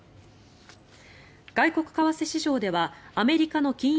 外国為替市場ではアメリカの金融